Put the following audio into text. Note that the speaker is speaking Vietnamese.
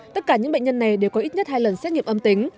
tất cả những bệnh nhân này đều có ít nhất hai lần xét nghiệm âm tính